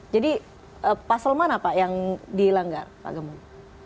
jadi pasal mana pak yang dilanggar pak gembong